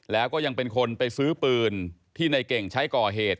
แล้วก็ยังเป็นคนไปซื้อปืนที่ในเก่งใช้ก่อเหตุ